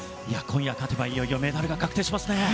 今夜勝てばいよいよメダルが確定しますね。